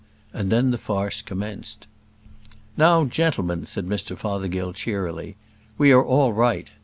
And then the farce commenced. "Now, gentlemen," said Mr Fothergill, cheerily, "we are all right.